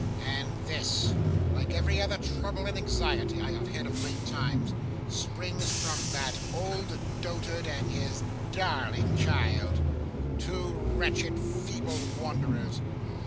'And this, like every other trouble and anxiety I have had of late times, springs from that old dotard and his darling child two wretched feeble wanderers!